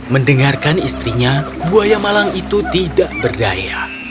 mendengarkan istrinya buaya malang itu tidak berdaya